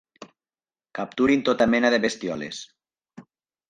Capturin tota mena de bestioles.